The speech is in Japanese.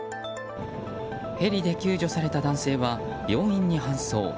ヘリで救助された男性は病院に搬送。